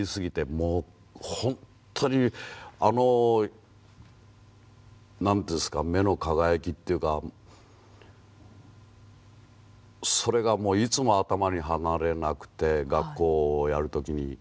もう本当にあの何て言うんですか目の輝きっていうかそれがもういつも頭に離れなくて「学校」をやる時にその瞳に迫りたい。